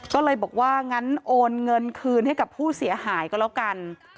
ก็เลยบอกว่างั้นโอนเงินคืนให้กับผู้เสียหายก็แล้วกัน